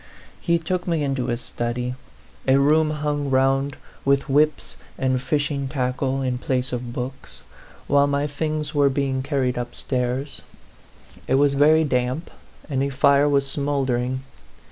He took me into his study, a room hung round with whips and fishing tackle in place of books, while my things were being carried upstairs. It was very damp, and a fire was smouldering.